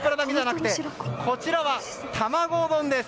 こちらは卵丼です。